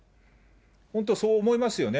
本当、そう思いますよね。